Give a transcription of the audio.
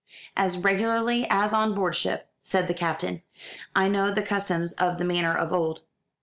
"As regularly as on board ship," said the Captain. "I know the customs of the manor of old."